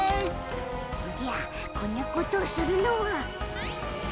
おじゃこんなことをするのは。